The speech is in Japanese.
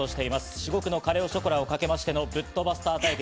至極のカレ・オ・ショコラをかけましてのブットバスター対決。